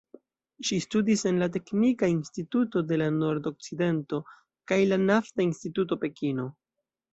Ŝi studis en la "Teknika Instituto de la Nordokcidento" kaj la "Nafta Instituto Pekino".